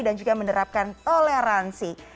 dan juga menerapkan toleransi